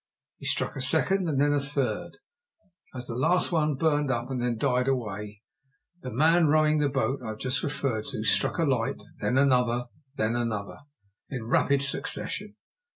He struck a second, and then a third. As the last one burned up and then died away, the man rowing the boat I have just referred to struck a light, then another, then another, in rapid succession.